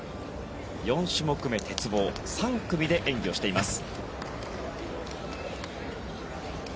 ４種目目、鉄棒３組で演技をしています。